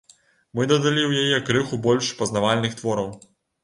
Мы дадалі ў яе крыху больш пазнавальных твораў.